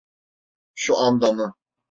Şu anda mı?